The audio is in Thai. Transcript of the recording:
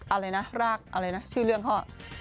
อะไรนะรากอะไรนะชื่อเรื่องเขา